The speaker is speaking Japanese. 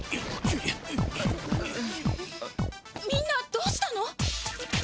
みんなどうしたの！？